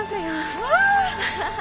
うわ！